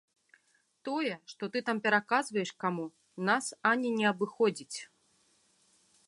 Тое, што ты там пераказваеш каму, нас ані не абыходзіць.